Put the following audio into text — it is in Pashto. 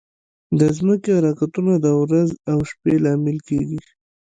د ځمکې حرکتونه د ورځ او شپه لامل کېږي.